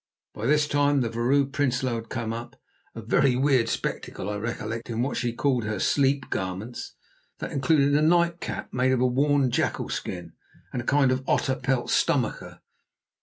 By this time the Vrouw Prinsloo had come up, a very weird spectacle, I recollect, in what she called her "sleep garments," that included a night cap made of a worn jackal skin and a kind of otter pelt stomacher.